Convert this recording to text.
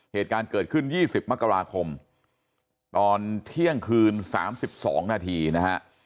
เหตุการณ์เกิดขึ้น๒๐มกราคมตอนเที่ยงคืน๓๒นาทีนะฮะ